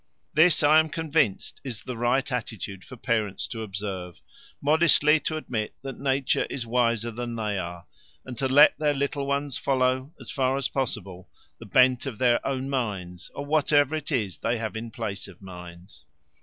This, I am convinced, is the right attitude for parents to observe, modestly to admit that nature is wiser than they are, and to let their little ones follow, as far as possible, the bent of their own minds, or whatever it is they have in place of minds.